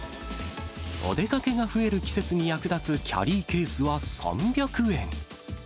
お出かけが増える季節に役立つキャリーケースは３００円。